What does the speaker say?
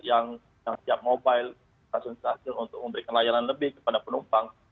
yang siap mobile stasiun stasiun untuk memberikan layanan lebih kepada penumpang